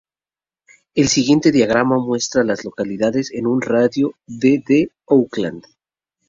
El siguiente diagrama muestra a las localidades en un radio de de Oakland.